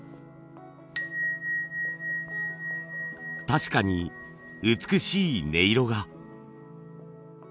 確かに美しい音色が。